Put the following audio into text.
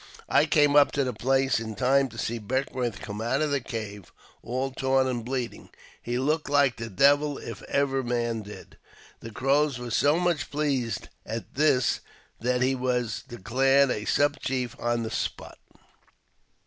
I came up to the place in time to see Beckw^ourth come out of the cave, all torn and bleeding. He looked like the devil if ever man did. The Crows were so much pleased at this that he was declared a sub chief on the spot."